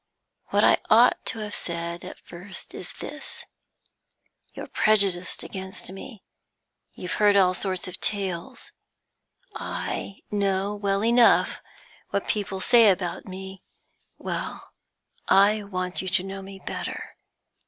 What I ought to have said at first is this. You're prejudiced against me; you've heard all sorts of tales; I know well enough what people say about me well, I want you to know me better.